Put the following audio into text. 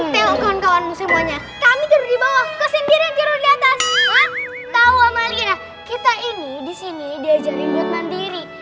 teman teman musimnya kami di bawah kesendirian di atas tahu kita ini di sini diajarin mandiri